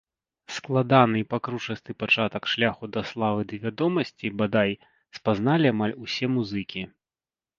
Складаны і пакручасты пачатак шляху да славы ды вядомасці, бадай, спазналі амаль усе музыкі.